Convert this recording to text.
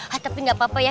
hah tapi nggak apa apa ya